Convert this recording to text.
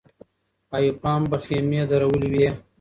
ایوب خان به خېمې درولې وې.